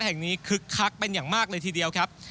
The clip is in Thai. คึกคักเป็นอย่างมากเลยทีเดียวครับ